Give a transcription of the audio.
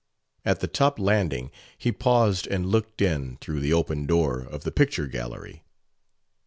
At the top landing he paused and looked in through the open door of the picture gallery.